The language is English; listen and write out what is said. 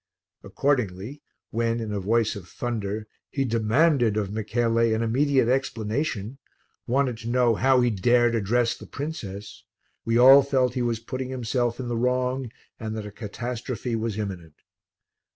Accordingly, when, in a voice of thunder, he demanded of Michele an immediate explanation wanted to know how he dared address the princess we all felt that he was putting himself in the wrong and that a catastrophe was imminent.